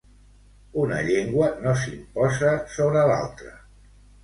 Una llengua no s'imposa sobre l'altra.